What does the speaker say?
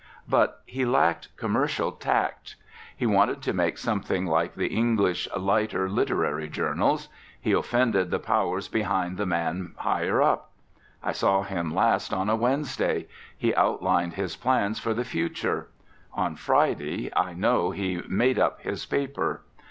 But he lacked commercial tact. He wanted to make something like the English lighter literary journals. He offended the powers behind the man higher up. I saw him last on a Wednesday; he outlined his plans for the future. On Friday, I know he "made up" his paper.